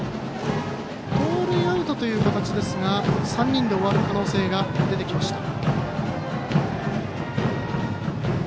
盗塁アウトという形ですが３人で終わる可能性が出てきました。